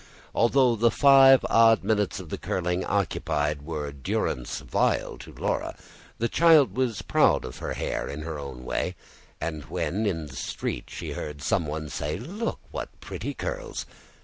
Although the five odd minutes the curling occupied were durance vile to Laura, the child was proud of her hair in her own way; and when in the street she heard some one say: "Look what pretty curls!"